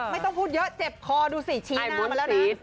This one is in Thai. ไม่ต้องพูดเยอะเจ็บคอดูสิชี้หน้ามาแล้วนะ